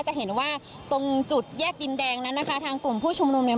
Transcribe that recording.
จะเห็นว่าตรงจุดแยกดินแดงนั้นนะคะทางกลุ่มผู้ชุมนุมเนี่ย